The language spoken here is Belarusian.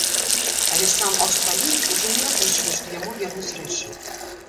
Але сам аўстраліец ужо не разлічвае, што яму вернуць рэчы.